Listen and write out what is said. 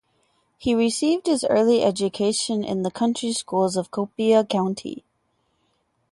He received his early education in the country schools of Copiah County.